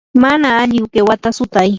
mana alli qiwata sutay.